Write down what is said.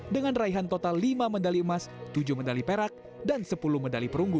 dengan raihan total lima medali emas tujuh medali perak dan sepuluh medali perunggu